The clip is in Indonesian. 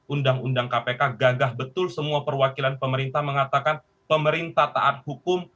undang undang kpk gagah betul semua perwakilan pemerintah mengatakan pemerintah taat hukum